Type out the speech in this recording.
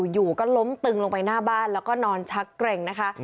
อยู่ก็ล้มตึงลงไปหน้าบ้านแล้วก็นอนชักเกร็งนะคะ